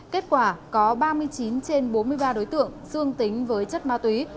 kết quả có ba mươi chín trên bốn mươi ba đối tượng dương tính với chất ma túy